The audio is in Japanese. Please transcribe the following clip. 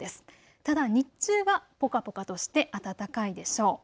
ただ日中はぽかぽかとして暖かいでしょう。